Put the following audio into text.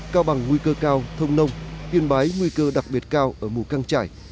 cao bằng nguy cơ cao thông nông yên bái nguy cơ đặc biệt cao ở mù căng trải